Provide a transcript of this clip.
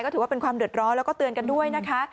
ถือว่าเป็นความเดือดร้อนแล้วก็เตือนกันด้วยนะคะ